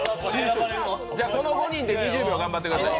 じゃこの５人で２０秒頑張ってください。